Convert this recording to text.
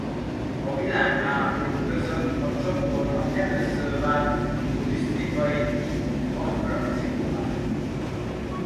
A világháborúk között a csatorna először vált turisztikai attrakcióvá.